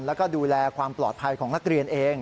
แล้วก็ดูแลความปลอดภัยของนักเรียนเอง